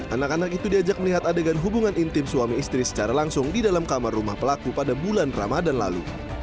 anak anak itu diajak melihat adegan hubungan intim suami istri secara langsung di dalam kamar rumah pelaku pada bulan ramadan lalu